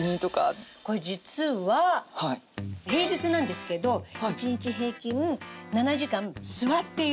これ実は平日なんですけど１日平均７時間座っている。